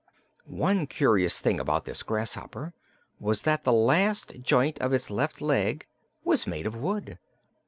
One curious thing about this grasshopper was that the last joint of its left leg was made of wood.